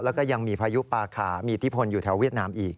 แล้วก็ยังมีพายุปาขามีอิทธิพลอยู่แถวเวียดนามอีก